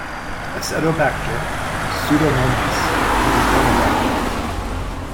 "Acetobacter", "Pseudomonas" and "Gluconobacter".